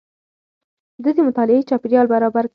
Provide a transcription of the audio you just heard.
ده د مطالعې چاپېريال برابر کړ.